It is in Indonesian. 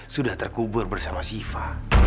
sudah terkubur bersama siva